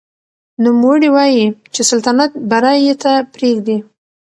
نوموړي وايي چې سلطنت به رایې ته پرېږدي.